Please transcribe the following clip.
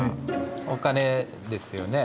お金ですよね。